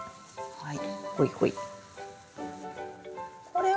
はい。